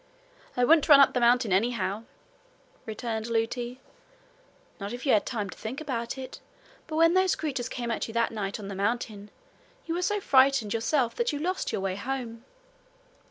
'I wouldn't run up the mountain, anyhow,' returned Lootie. 'Not if you had time to think about it. But when those creatures came at you that night on the mountain, you were so frightened yourself that you lost your way home.'